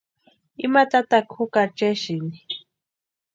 Ima tataka jukari chesïni.